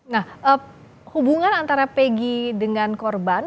nah hubungan antara pegi dengan korban